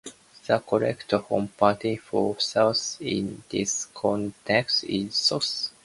The correct homophone for "sauce" in this context is "source".